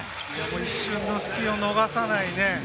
一瞬の隙を逃さないね。